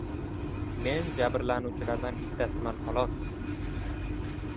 Men jabrlanuvchilardan bittasiman, xolos.